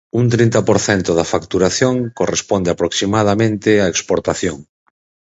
Un trinta por cento da facturación corresponde aproximadamente á exportación.